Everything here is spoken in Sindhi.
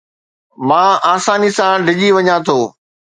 مان آساني سان ڊڄي وڃان ٿو